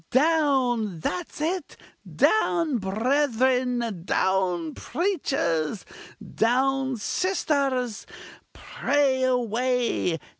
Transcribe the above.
down! that's it down brethren! down preachers! down sisters! pray away!